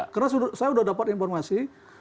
karena saya sudah dapat informasi